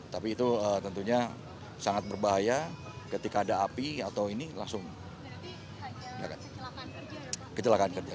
tapi itu tentunya sangat berbahaya ketika ada api atau ini langsung kecelakaan kerja